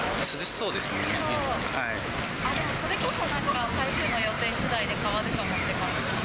そう、でもそれこそなんか、台風の予定しだいで変わるかもっていう感じ。